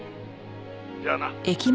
じゃあな」